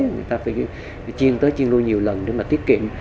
người ta phải chiên tới chiên nuôi nhiều lần để mà tiết kiệm